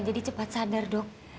jadi cepat sadar dok